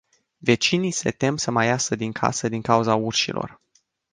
Vecinii se tem să mai iasă din casă din cauza urșilor.